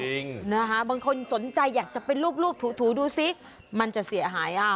เช่นต้องบางคนสนใจอยากจะไปลูบถูดูซิมันจะเสียหาย